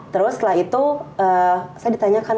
terus setelah itu saya ditanyakan